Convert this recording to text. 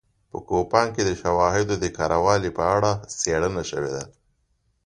په کوپان کې د شواهدو د کره والي په اړه څېړنه شوې ده